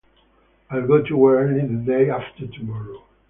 I'll go to work early the day after tomorrow.